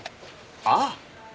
ああ！